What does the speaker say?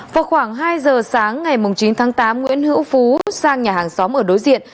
vào khoảng hai giờ sáng ngày chín tháng tám nguyễn hữu phú sang nhà hàng xóm ở đối diện